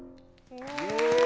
うわ！